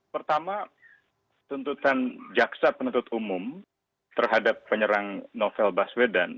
pertama tuntutan jaksa penuntut umum terhadap penyerang novel baswedan